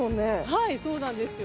はいそうなんですよ。